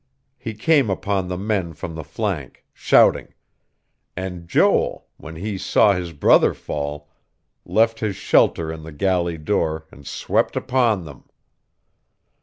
He came upon the men from the flank, shouting; and Joel, when he saw his brother fall, left his shelter in the galley door and swept upon them.